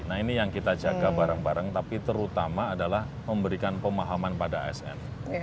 nah ini yang kita jaga bareng bareng tapi terutama adalah memberikan pemahaman pada asn